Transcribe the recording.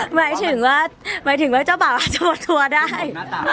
หมายถึงว่าหมายถึงว่าเจ้าบ่าอาจจะหมดตัวได้